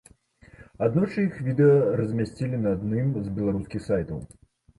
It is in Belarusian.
Аднойчы іх відэа размясцілі на адным з беларускіх сайтаў.